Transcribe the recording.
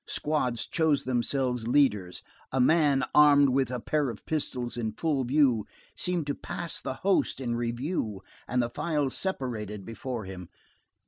Squads chose themselves leaders; a man armed with a pair of pistols in full view, seemed to pass the host in review, and the files separated before him.